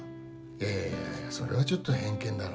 いやいやそれはちょっと偏見だろ。